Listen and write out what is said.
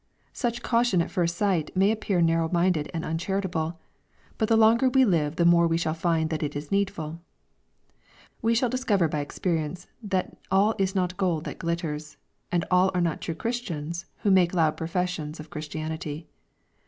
Such caution qJi first sight may appear narrow minded and uncharitable. But the longer we live the more shall we find that it is needful We shall discover by expe ricDce that all is not gold that glitters, and all are not true Christians who make a loud profession of Chris tianity.